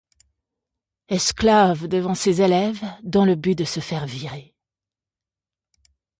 Esclave devant ses élèves, dans le but de se faire virer.